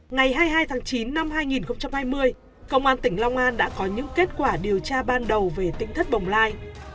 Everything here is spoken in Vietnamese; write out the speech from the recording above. ngày hai mươi hai tháng chín năm hai nghìn hai mươi công an tỉnh long an đã có những kết quả điều tra ban đầu về tỉnh thất bồng lai